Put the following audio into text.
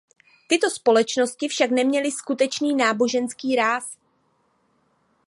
Tyto společnosti však neměly skutečný náboženský ráz.